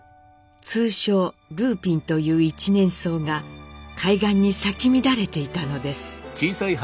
通称ルーピンという一年草が海岸に咲き乱れていたのです。